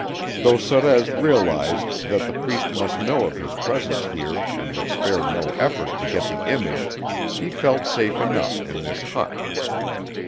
Though Sorez realized that the Priest must know of his presence here and would spare no effort to get the image, he felt safe enough in this hut.